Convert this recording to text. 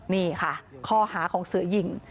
นี่ค่ะข้อหาของเสือยิง